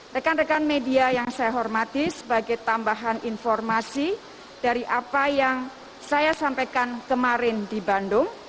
rekan rekan media yang saya hormati sebagai tambahan informasi dari apa yang saya sampaikan kemarin di bandung